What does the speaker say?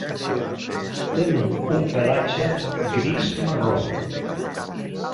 Tenen un pelatge gris-marró.